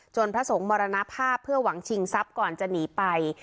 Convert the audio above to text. พระสงฆ์มรณภาพเพื่อหวังชิงทรัพย์ก่อนจะหนีไป